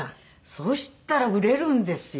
そしたら売れるんですよ。